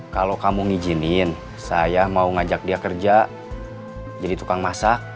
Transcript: kalau kamu ngijinin saya mau ngajak dia kerja jadi tukang masak